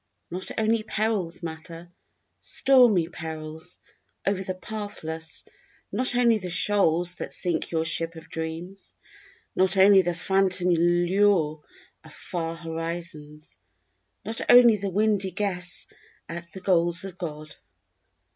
Not only perils matter, stormy perils, over the pathless, Not only the shoals that sink your ship of dreams. Not only the phantom lure of far horizons, Not only the windy guess at the goals of God.